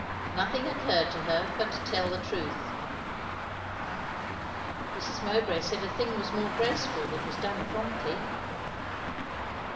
Nothing occurred to her but to tell the truth. "Mrs. Mowbray said a thing was more graceful that was done promptly."